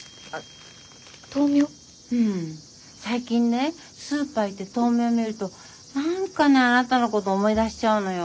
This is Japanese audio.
最近ねスーパー行って豆苗見ると何かねあなたのこと思い出しちゃうのよ。